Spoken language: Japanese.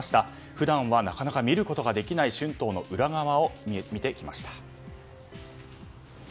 普段はなかなか見ることができない春闘の裏側を見てきました。